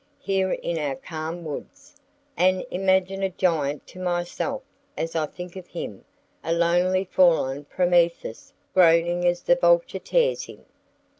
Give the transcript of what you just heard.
here in our calm woods, and imagine a giant to myself as I think of him, a lonely fallen Prometheus, groaning as the vulture tears him.